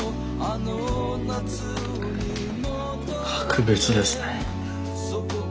格別ですね。